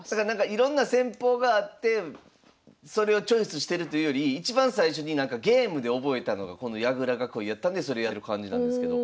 いろんな戦法があってそれをチョイスしてるというよりいちばん最初にゲームで覚えたのがこの矢倉囲いやったんでそれやってる感じなんですけど。